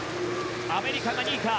アメリカは２位。